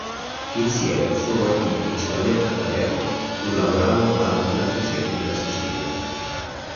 Insieme furono attivi principalmente a Palermo, pur lavorando anche in altri centri della Sicilia.